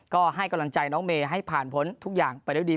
ก็ให้กำลังใจน้องเมให้ผ่านผลทุกอย่างไปเร็วดี